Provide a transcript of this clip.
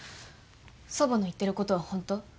祖母の言ってることはほんと？